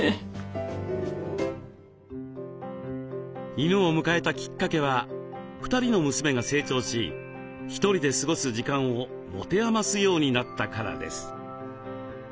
犬を迎えたきっかけは２人の娘が成長し１人で過ごす時間を持て余すようになったからです。